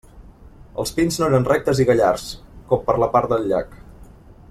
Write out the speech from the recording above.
Els pins no eren rectes i gallards, com per la part del llac.